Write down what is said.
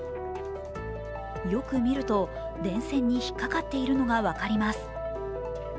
よく見ると電線に引っ掛かっているのが分かります。